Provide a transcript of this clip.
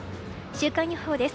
週間予報です。